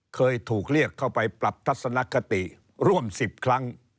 เคยถูกเรียกเข้าไปปรับทัศนคติร่วม๑๐ครั้ง